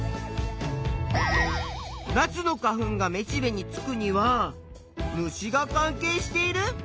ナスの花粉がめしべにつくには虫が関係している？